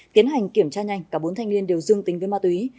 tiến hành kiểm tra nhanh cả bốn thanh niên đều dương tính với ma túy